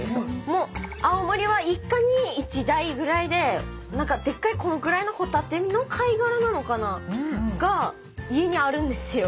青森は一家に１台ぐらいででっかいこのぐらいのホタテの貝殻なのかなが家にあるんですよ。